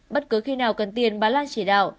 bất cứ khi nào cần tiền bà lan chỉ đạo